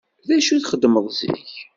D acu i txeddmeḍ zik?